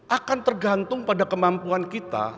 akan tergantung pada kemampuan kita